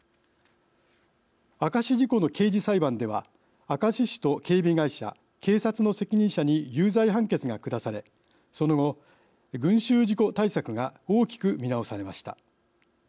明石事故の刑事裁判では明石市と警備会社警察の責任者に有罪判決が下されその後、群集事故対策が大きく見直されました。